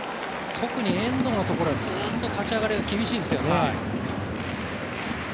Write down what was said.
特に遠藤のところはずっと立ち上がりが厳しいですよね。